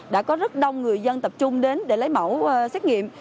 đã có rất đông người dân tập trung đến để lấy mẫu xét nghiệm